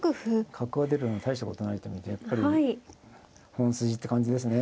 角は出るのは大したことないと見てやっぱり本筋って感じですね。